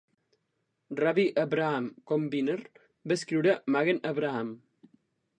Rabbi Avraham Gombiner va escriure "Magen Avraham".